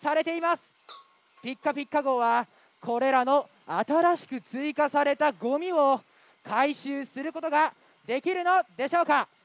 ピッカピッカ号はこれらの新しく追加されたゴミを回収することができるのでしょうか？